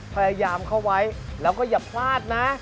พยายามเข้าไว้แล้วก็อย่าพลาดนะ